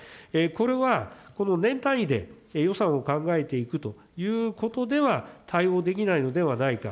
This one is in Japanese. これはこの年単位で、予算を考えていくということでは対応できないのではないか。